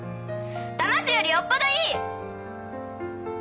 だますよりよっぽどいい！